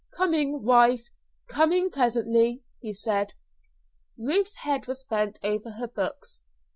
"Coming, wife coming presently," he said. Ruth's head was bent over her books. Mr.